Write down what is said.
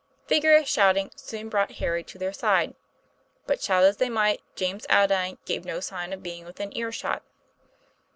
Vigorous shouting soon brought Harry to their side, but shout as they might, James Aldine gave no sign of being within ear shot.